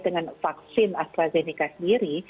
dengan vaksin astrazeneca sendiri